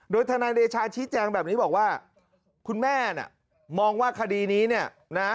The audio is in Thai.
โดยทนายเดชาชี้แจงแบบนี้บอกว่าคุณแม่น่ะมองว่าคดีนี้เนี่ยนะ